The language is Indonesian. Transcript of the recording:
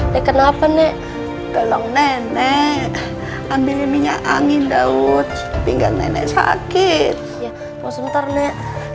tekan apa nek tolong nenek ambil minyak angin daud tinggal nenek sakit ya mau sementar nek